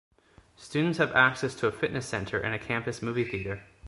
Students have access to a fitness center and a campus movie theater.